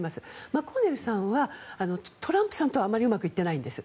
マコーネルさんはトランプさんとはあまりうまくいってないんです。